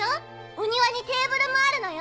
お庭にテーブルもあるのよ。